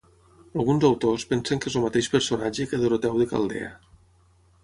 Alguns autors pensen que és el mateix personatge que Doroteu de Caldea.